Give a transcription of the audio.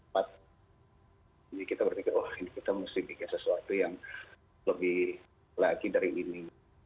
jadi kita berpikir oh ini kita mesti bikin sesuatu yang lebih lagi dari ini